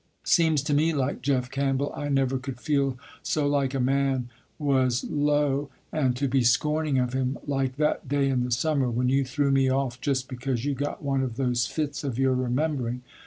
Seems to me like Jeff Campbell, I never could feel so like a man was low and to be scorning of him, like that day in the summer, when you threw me off just because you got one of those fits of your remembering.